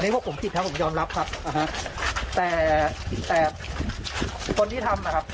บางใครทำล่ะครับ